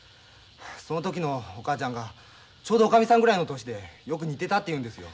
その時のお母ちゃんがちょうど女将さんぐらいの年でよく似てたって言うんですよ。